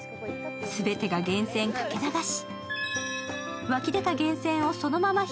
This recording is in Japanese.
全てが源泉かけ流し。